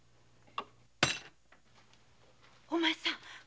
・お前さん！